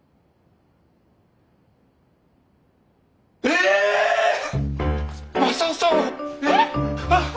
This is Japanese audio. えっ！？